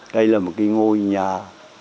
đây là một cái ngôi nhà ba gian hai trái